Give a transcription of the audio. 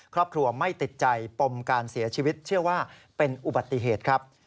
ครอบครัวไม่ติดใจปมการเสียชีวิตเชื่อว่าเป็นอุบัติเหตุครับ